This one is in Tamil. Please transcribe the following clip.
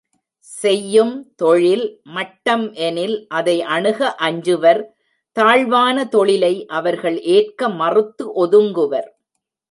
செய்யும் தொழில் மட்டம்எனில் அதை அணுக அஞ்சுவர் தாழ்வான தொழிலை அவர்கள் ஏற்க மறுத்து ஒதுங்குவர்.